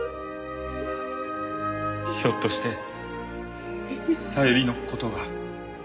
ひょっとして小百合の事が。